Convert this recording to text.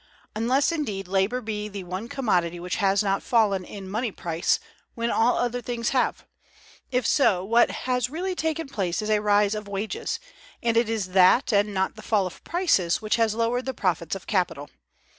Unless, indeed, labor be the one commodity which has not fallen in money price, when all other things have: if so, what has really taken place is a rise of wages; and it is that, and not the fall of prices, which has lowered the profits of capital.